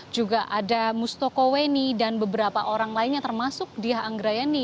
juga ada mustoko weni dan beberapa orang lainnya termasuk diha anggrayani